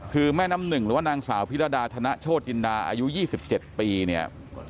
คือแม่น้ำหนึ่งหรือว่านางสาวภิรดาธนชดจินดาอายุยี่สิบเจ็ดปีเนี่ย